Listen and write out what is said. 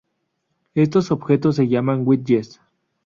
Estos objetos se llaman widgets.